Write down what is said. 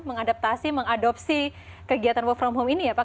mengadaptasi mengadopsi kegiatan work from home ini ya pak